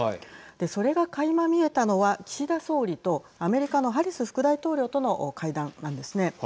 それが、かいま見えたのは岸田総理とアメリカのハリス副大統領との会談なんですね。